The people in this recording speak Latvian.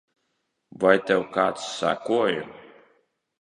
Vai tev kāds sekoja?